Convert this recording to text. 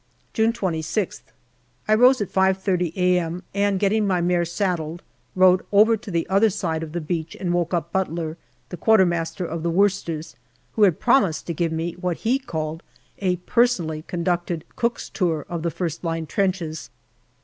June 26th. I rose at 5.30 a.m. and, getting my mare saddled, rode over to the other side of the beach and woke up Butler, JUNE 143 the Quartermaster of the Worcesters, who had promised to give me what he called " a personally conducted Cook's Tour to the first line trenches."